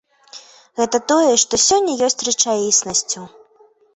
Гэта тое, што сёння ёсць рэчаіснасцю.